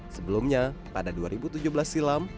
sebelumnya pada dua ribu tujuh belas silam